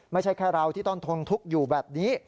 ไม่ใช่แค่เราที่ต้องทงทุกข์อยู่แบบนี้